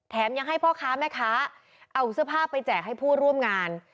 ยังให้พ่อค้าแม่ค้าเอาเสื้อผ้าไปแจกให้ผู้ร่วมงาน